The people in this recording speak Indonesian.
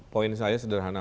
poin saya sederhana